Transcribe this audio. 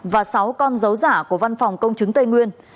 và sáu con dấu giả của văn phòng công chứng tây nguyên